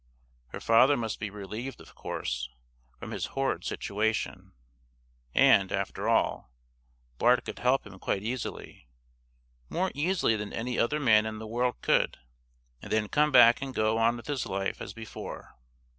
Her father must be relieved, of course, from his horrid situation; and, after all, Bart could help him quite easily, more easily than any other man in the world could, and then come back and go on with his life as before.